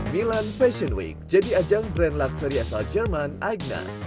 milan fashion week jadi ajang brand lakseri asal jerman aigna